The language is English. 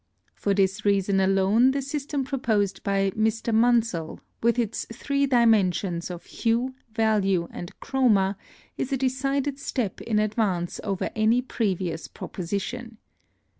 For this reason alone the system proposed by Mr. Munsell, with its three dimensions of hue, value, and chroma, is a decided step in advance over any previous proposition.